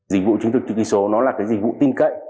dịch vụ chứng thực chữ ký số nó là cái dịch vụ tin cậy